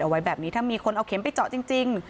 เอาไว้แบบนี้ถ้ามีคนเอาเข็มไปเจาะจริง